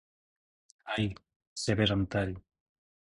—Ai! —Cebes amb tall!